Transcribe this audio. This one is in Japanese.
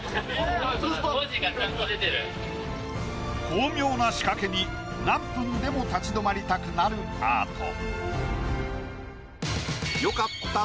巧妙な仕掛けに何分でも立ち止まりたくなるアート。